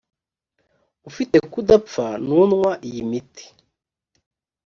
ufite kudapfa nunywa iyimiti .